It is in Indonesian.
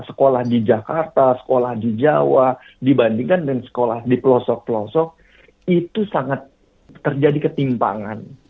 sekolah di jakarta sekolah di jawa dibandingkan dengan sekolah di pelosok pelosok itu sangat terjadi ketimpangan